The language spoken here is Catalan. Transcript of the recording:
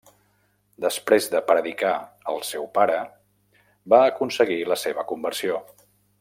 Després de predicar al seu pare va aconseguir la seva conversió.